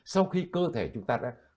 sau khi cơ thể chúng ta đã